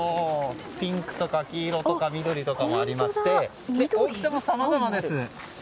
ピンクとか黄色とか緑もありまして大きさもさまざまです。